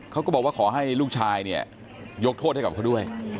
เขาก็บอกว่าขอให้ลูกชายเนี่ยยกโทษให้กับเขาด้วย